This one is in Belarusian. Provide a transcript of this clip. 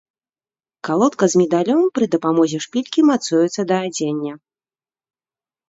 Калодка з медалём пры дапамозе шпількі мацуецца да адзення.